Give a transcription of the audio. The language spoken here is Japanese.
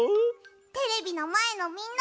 テレビのまえのみんな！